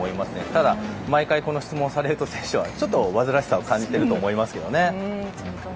ただ、毎回この質問をされると選手は煩わしさを感じていると思いますね。